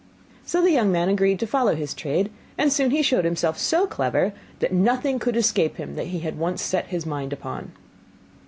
So the young man agreed to follow his trade, and he soon showed himself so clever, that nothing could escape him that he had once set his mind upon.